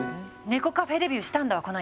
猫カフェデビューしたんだわこの間。